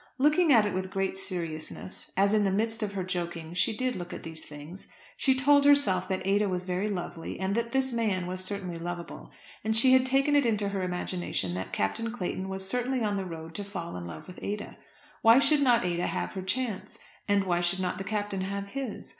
Looking at it with great seriousness, as in the midst of her joking she did look at these things, she told herself that Ada was very lovely, and that this man was certainly lovable. And she had taken it into her imagination that Captain Clayton was certainly in the road to fall in love with Ada. Why should not Ada have her chance? And why should not the Captain have his?